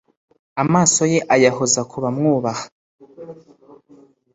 Amaso ye ayahoza ku bamwubaha,